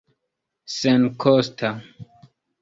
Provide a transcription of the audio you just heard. senkosta